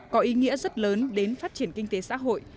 có ý nghĩa rất lớn đến phát triển kinh tế xã hội